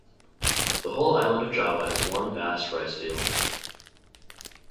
The whole island of Java is one vast rice field.